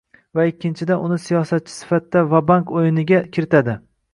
va ikkinchidan, uni siyosatchi sifatida “va-bank o‘yiniga” kiritadi.